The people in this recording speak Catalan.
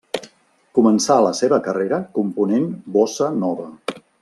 Començà la seva carrera component bossa nova.